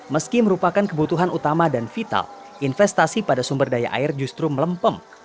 meski merupakan kebutuhan utama dan vital investasi pada sumber daya air justru melempem